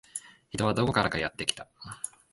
人はどこからかやってきた